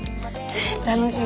楽しみ。